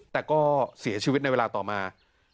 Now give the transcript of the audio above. แต่ก็เสียชีวิตในเวลาต่อมา